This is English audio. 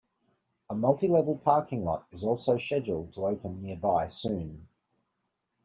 A multi-level parking lot is also scheduled to open nearby soon.